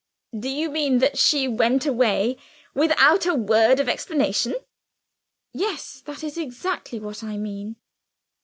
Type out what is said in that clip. "Do you mean that she went away without a word of explanation?" "Yes; that is exactly what I mean."